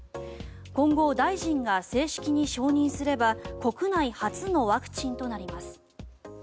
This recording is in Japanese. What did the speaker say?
今後、大臣が正式に承認すれば国内初のワクチンとなります。